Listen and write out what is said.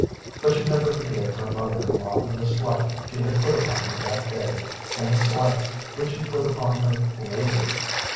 But she never forgave her mother in law for the slight she had put upon her that day, and the slights which she put upon her later.